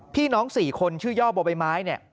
พี่น้อง๔คนชื่อย่อบัวใบไม้เนี่ย